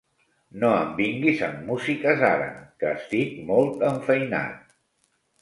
No em vinguis amb musiques ara, que estic molt enfeinat.